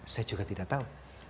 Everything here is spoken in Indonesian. saya juga tidak tahu